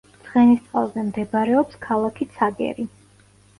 ცხენისწყალზე მდებარეობს ქალაქი ცაგერი.